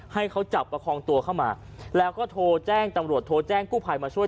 ให้เขาจับประคองตัวเข้ามาแล้วก็โทรแจ้งตำรวจโทรแจ้งกู้ภัยมาช่วย